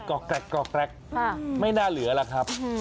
กรอกไม่น่าเหลือล่ะครับ